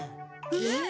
えっ！？